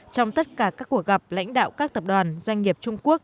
trong tất cả các cuộc gặp lãnh đạo các tập đoàn doanh nghiệp trung quốc